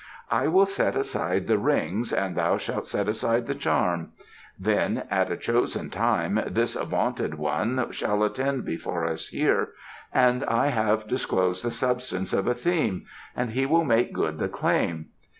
I will set aside the rings and thou shalt set aside the charm. Then, at a chosen time, this vaunted one shall attend before us here, and I having disclosed the substance of a theme, he shall make good the claim.